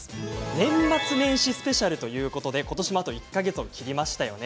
年末年始スペシャルということで今年もあと１か月を切りましたよね。